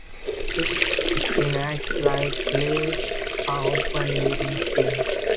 Its spinach-like leaves are often eaten steamed.